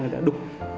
người thợ đục